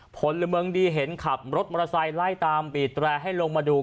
ผลเมืองดีเห็นขับรถมอเตอร์ไซค์ไล่ตามบีดแรร์ให้ลงมาดู